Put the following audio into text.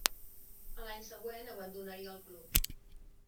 A l'any següent abandonaria el club.